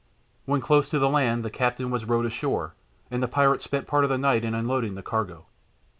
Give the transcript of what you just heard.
When close to the land the captain was rowed ashore, and the pirates spent part of the night in unloading the cargo.